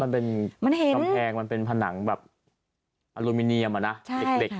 มันเป็นกำแพงมันเป็นผนังแบบอลูมิเนียมอ่ะนะเด็ก